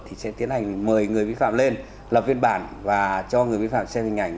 thì sẽ tiến hành mời người vi phạm lên lập viên bản và cho người vi phạm xem hình ảnh